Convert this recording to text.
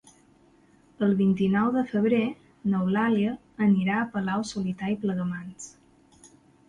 El vint-i-nou de febrer n'Eulàlia anirà a Palau-solità i Plegamans.